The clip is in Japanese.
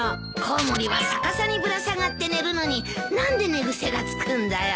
コウモリは逆さにぶら下がって寝るのに何で寝癖が付くんだよ？